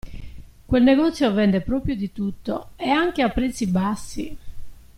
Quel negozio vende proprio di tutto, e anche a prezzi bassi!